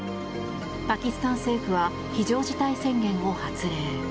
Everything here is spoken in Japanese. パキスタン政府は非常事態宣言を発令。